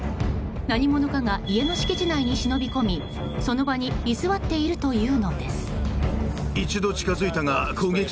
何者かが家の敷地内に忍び込みその場に居座っているというのです。